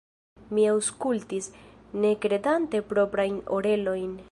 Mi aŭskultis, ne kredante proprajn orelojn.